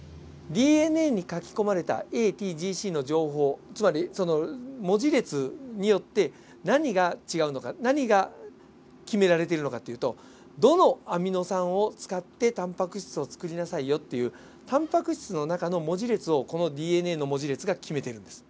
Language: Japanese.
ＤＮＡに書き込まれたＡＴＧＣの情報つまりその文字列によって何が違うのか何が決められているのかというとどのアミノ酸を使ってタンパク質を作りなさいよっていうタンパク質の中の文字列をこのＤＮＡの文字列が決めてるんです。